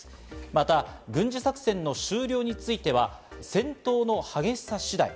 まだ軍事作戦の終了については、戦闘の激しさ次第。